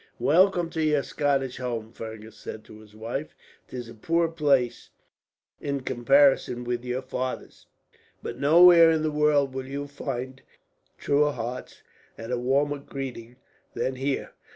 "Welcome to your Scottish home!" Fergus said to his wife. "'Tis a poor place, in comparison with your father's, but nowhere in the world will you find truer hearts and a warmer greeting than here."